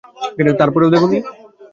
তার পরেও দেখোনি?